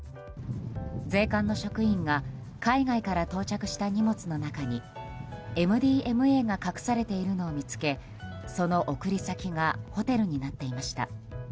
税関の職員が海外から到着した荷物の中にＭＤＭＡが隠されているのを見つけその送り先がホテルになっていました。